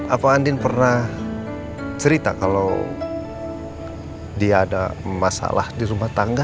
apa andin pernah cerita kalau dia ada masalah di rumah tangga